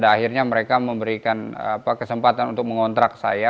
akhirnya mereka memberikan kesempatan untuk mengontrak saya